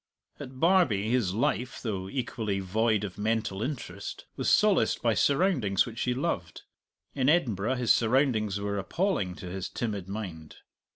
At Barbie his life, though equally void of mental interest, was solaced by surroundings which he loved. In Edinburgh his surroundings were appalling to his timid mind.